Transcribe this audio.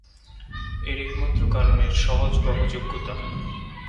এর একমাত্র কারণ এর সহজবহযোগ্যতা।